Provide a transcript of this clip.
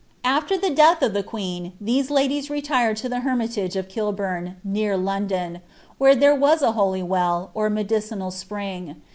After the death of the queen, these ladies retired to the hermitage of Kilbum, near London, where there was a holy well, or medicinal spring.